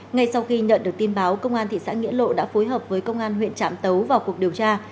ngay sau khi nhận được tin báo công an thị xã nghĩa lộ đã phối hợp với công an huyện trạm tấu vào cuộc điều tra